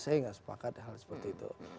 saya nggak sepakat hal seperti itu